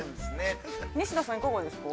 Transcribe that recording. ◆西田さん、いかがですか。